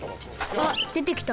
あっでてきた。